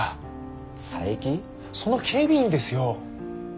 その警備員ですよ。